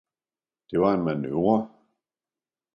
Det var en manøvre!